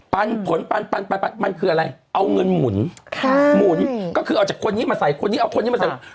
ปันผลปันมันคืออะไรเอาเงินหมุนก็คือเอาจากคนนี้มาใส่คนนี้เอาคนนี้มาใส่คนนี้